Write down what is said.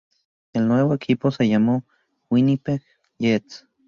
El nuevo equipo se llamó "Winnipeg Jets".